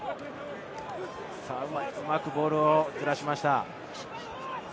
うまくボールをずらしました。